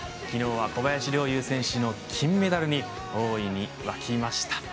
昨日は小林陵侑選手の金メダルに大いに沸きました。